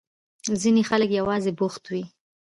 ځينې خلک يوازې بوخت وي.